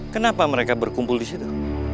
kenapa mereka berkumpul disitu